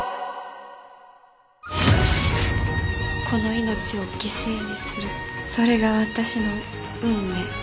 この命を犠牲にするそれが私の運命。